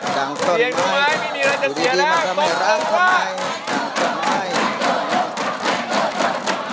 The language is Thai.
ตรงที่เราก็เลือกมาไม่เยอะ